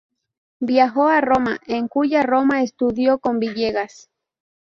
Viajó a Roma en cuya Roma estudió con Villegas.